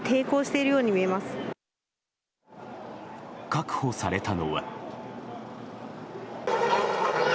確保されたのは。